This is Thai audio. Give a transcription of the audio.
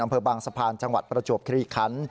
อำเภอบางสะพานจังหวัดประจวบคลีคัน